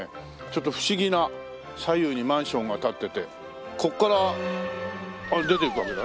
ちょっと不思議な左右にマンションが建っててここから出ていくわけだね。